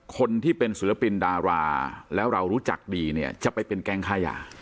คนที่เป็นศิลปินดาราแล้วเรารู้จักดีเนี่ยจะไปเป็นแก๊งค่ายา